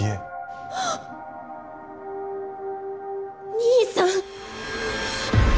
兄さん。